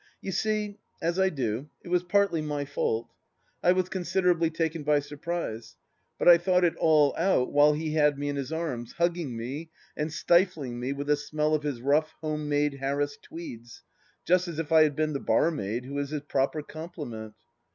You see, as I do, it was partly my fault. I was consider ably taken by surprise, but I thought it all out while he had me in his arms, hugging me and stifling me with the smell of his rough, home made Harris tweeds, just as if I had been the barmaid who is his proper complement.